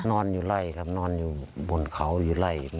นอนอยู่ไล่ครับนอนอยู่บนเขาอยู่ไล่